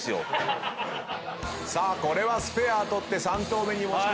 さあこれはスペア取って３投目に持ち込みたい。